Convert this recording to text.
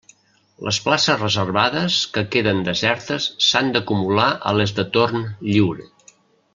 Les places reservades que queden desertes s'han d'acumular a les de torn lliure.